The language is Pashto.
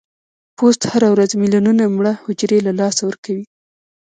پوست هره ورځ ملیونونه مړه حجرې له لاسه ورکوي.